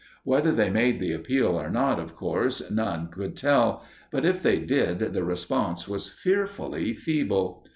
Whether they made the appeal or not, of course, none could tell, but if they did, the response was fearfully feeble.